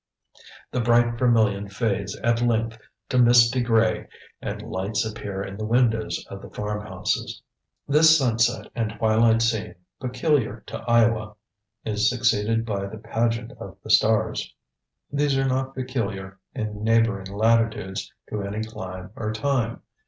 The bright vermilion fades at length to misty gray and lights appear in the windows of the farm homes. This sunset and twilight scene, peculiar to Iowa, is succeeded by the pageant of the stars. These are not peculiar, in neighboring latitudes, to any clime or time.